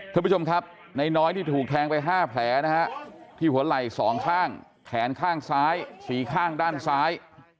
ท่านผู้ชมครับในน้อยที่ถูกแทงไป๕แผลนะฮะที่หัวไหล่สองข้างแขนข้างซ้ายสี่ข้างด้านซ้าย